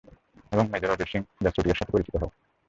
এবং মেজর অজয় সিং জাসরোটিয়ার সাথে পরিচিত হও।